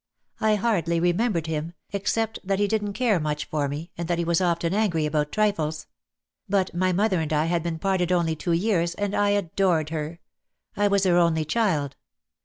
I hardly remembered him, except that he didn't care much for me, and that he was often angry about trifles. But my mother and I had been parted only two years, and I adored her. I was her only child.